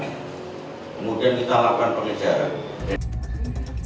kemudian kita lakukan pengejaran